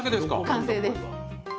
完成です。